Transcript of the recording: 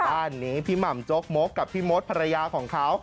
บ้านนี้พี่หม่ำโจ๊กมกกับพี่มดภรรยาของเขา